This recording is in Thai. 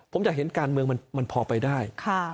ผมอยากเห็นการเมืองมันพอไปได้